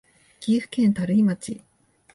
岐阜県垂井町